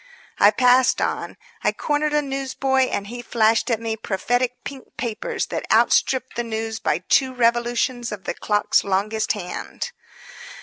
'" I passed on. I cornered a newsboy and he flashed at me prophetic pink papers that outstripped the news by two revolutions of the clock's longest hand.